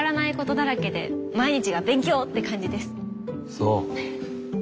そう。